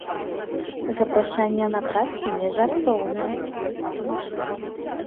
Запрашэнне на працу нежартоўнае.